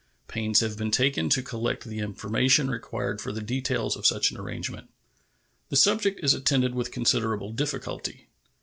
Pains have been taken to collect the information required for the details of such an arrangement. The subject is attended with considerable difficulty.